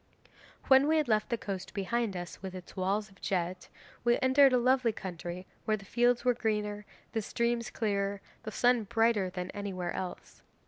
'When we had left the coast behind us, with its walls of jet, we entered a lovely country where the fields were greener, the streams clearer, and the sun brighter than anywhere else.